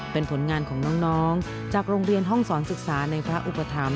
เป็นผลงานของน้องจากโรงเรียนห้องสอนศึกษาในพระอุปถัมภ